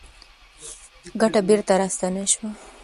ګټه بېرته راستانه شوه.